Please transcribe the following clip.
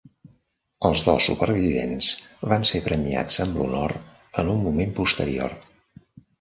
Els dos supervivents van ser premiats amb l'honor en un moment posterior.